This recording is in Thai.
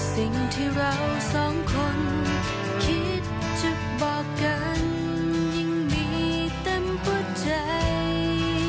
สิ่งที่เราสองคนคิดจะบอกกันยิ่งมีเต็มหัวใจ